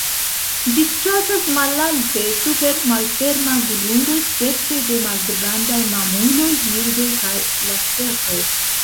Ĝi ĉasas malalte super malferma grundo serĉe de malgrandaj mamuloj, birdoj kaj lacertoj.